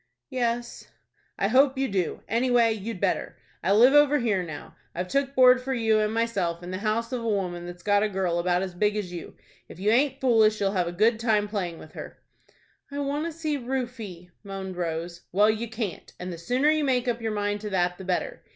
"Yes." "I hope you do. Anyway, you'd better. I live over here now. I've took board for you and myself in the house of a woman that's got a girl about as big as you. If you aint foolish you'll have a good time playing with her." "I want to see Rufie," moaned Rose. "Well, you can't, and the sooner you make up your mind to that the better.